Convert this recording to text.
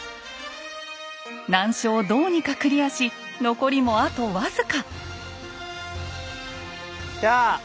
難所をどうにかクリアし残りもあと僅か。